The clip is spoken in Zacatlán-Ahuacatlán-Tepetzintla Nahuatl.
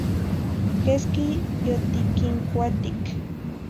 Quesqui yotiquincuatic